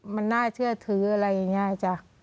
มันน่าเชื่อถืออะไรง่ายจ๊ะ